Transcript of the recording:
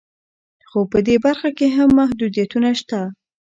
خو په دې برخه کې هم محدودیتونه شته